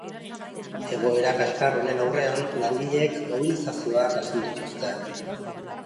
Egoera kaskar honen aurrean, langileek mobilizazioak hasi dituzte.